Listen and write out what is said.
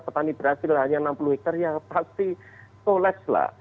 petani brazil yang lahannya enam puluh hektar ya pasti toles lah